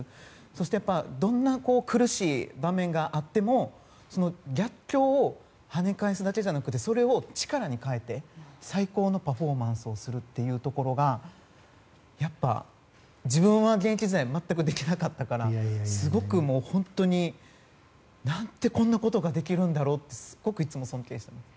そしてどんな苦しい場面があっても逆境を跳ね返すだけじゃなくてそれを力に変えて最高のパフォーマンスをするところが自分は現役時代全くできなかったからすごく本当に、何でこんなことができるんだろうってすごくいつも尊敬しています。